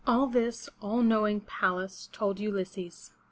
All this, all knowing Pallas told Ulysses.